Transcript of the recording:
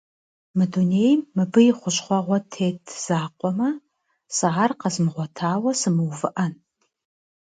Мы дунейм мыбы и хущхъуэгъуэ тет закъуэмэ, сэ ар къэзмыгъуэтауэ сымыувыӏэн.